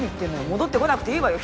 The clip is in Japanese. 戻って来なくていいわよ。